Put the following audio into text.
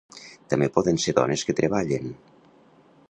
També poden ser dones que treballen.